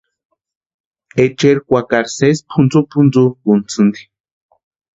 Echeri kwakari sési pʼuntsupʼuntsukʼuntisïnti.